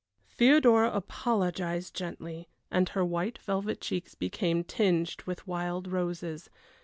Theodora apologized gently, and her white velvet cheeks became tinged with wild roses.